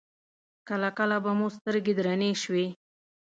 کله کله به مو سترګې درنې شوې.